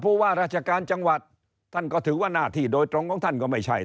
ว่าราชการจังหวัดท่านก็ถือว่าหน้าที่โดยตรงของท่านก็ไม่ใช่